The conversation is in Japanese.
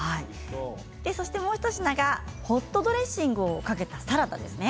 もう一品がホットドレッシングをかけたサラダです。